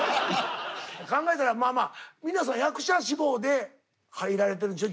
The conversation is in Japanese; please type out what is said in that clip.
考えたらまあまあ皆さん役者志望で入られてるんでしょ？